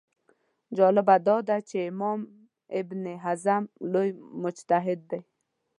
جالبه دا ده چې امام ابن حزم لوی مجتهد دی